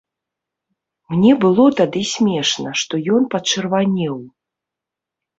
Мне было тады смешна, што ён пачырванеў.